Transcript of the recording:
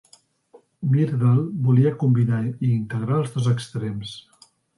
Myrdal volia combinar i integrar els dos extrems.